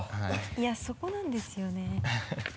いやそこなんですよね。